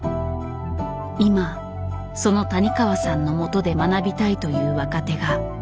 今その谷川さんの元で学びたいという若手が後を絶たない。